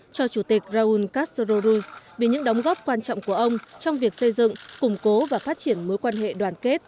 cho chủ tịch raúl castro ruz vì những đóng góp quan trọng của ông trong việc xây dựng củng cố và phát triển mối quan hệ đoàn kết